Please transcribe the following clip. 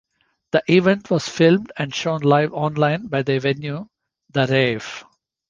The event was filmed and shown live online by the venue The Rave.